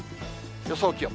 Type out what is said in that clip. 予想気温。